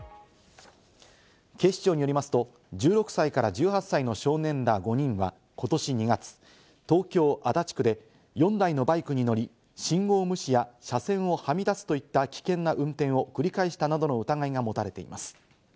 警視庁によりますと、１６歳から１８歳の少年ら５人はことし２月、東京・足立区で４台のバイクに乗り、信号無視や車線をはみ出すといった危険な運転を繰り返したなどの疑いが持たれています。